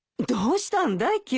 どうしたんだい？